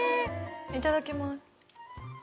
いただきます。